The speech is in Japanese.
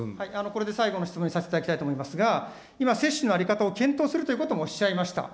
これで最後の質問にさせていただきたいと思いますが、今、接種の在り方を検討するということをおっしゃいました。